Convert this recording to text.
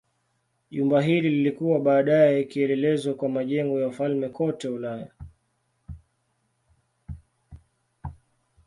Jumba hili lilikuwa baadaye kielelezo kwa majengo ya wafalme kote Ulaya.